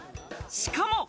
しかも！